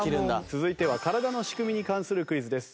続いては体の仕組みに関するクイズです。